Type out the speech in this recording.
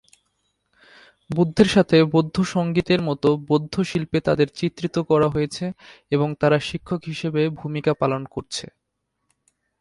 বুদ্ধের সাথে বৌদ্ধ সঙ্গীতের মতো বৌদ্ধ শিল্পে তাদের চিত্রিত করা হয়েছে এবং তারা শিক্ষক হিসাবে ভূমিকা পালন করছে।